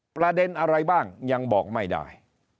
ประเด็นอะไรบ้างยังบอกไม่ได้